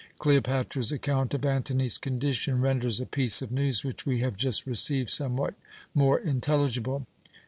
Cleopatra's account of Antony's condition renders a piece of news which we have just received somewhat more intelligible."